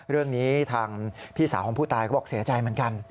เรื่องนี้ทางพี่สาวของผู้ตายก็บอกเสียใจเหมือนกัน